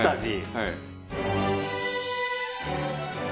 はい。